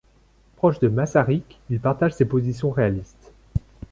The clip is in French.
Proche de Masaryk, il partage ses positions réalistes.